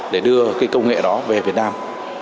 để đưa cái công nghệ đó về việt nam